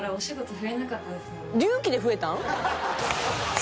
隆起で増えたん？